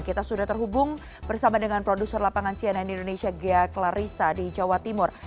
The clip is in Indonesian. kita sudah terhubung bersama dengan produser lapangan cnn indonesia ghea klarissa di jawa timur